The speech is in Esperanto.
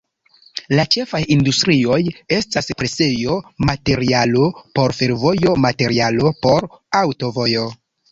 La ĉefaj industrioj estas presejo, materialo por fervojo, materialo por aŭtovojo.